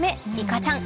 かちゃん